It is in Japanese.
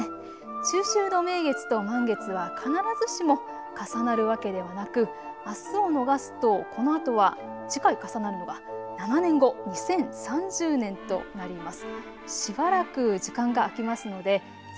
中秋の名月と満月は必ずしも重なるわけではなくあすを逃すとこのあとは次回重なるのが７年後２０３０年となります。